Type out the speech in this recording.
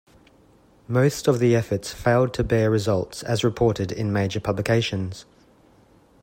Most of the efforts failed to bear results as reported in major publications.